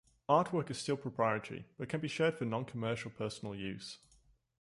Artwork is still proprietary but can be shared for non-commercial, personal use.